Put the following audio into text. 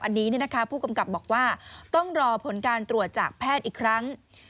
อันนี้ผู้กำกับบอกว่าต้องรอผลการตรวจจากแพทย์อีกครั้ง